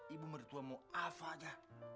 ibu mertua mau apa aja